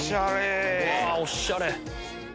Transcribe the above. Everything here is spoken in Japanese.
おしゃれ！